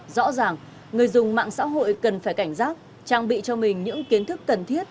rõ ràng người dùng mạng xã hội cần phải cảnh giác trang bị cho mình những kiến thức cần thiết